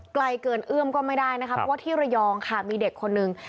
ไกลเกินเอื้อมก็ไม่ได้นะคะเพราะว่าที่ระยองค่ะมีเด็กคนนึง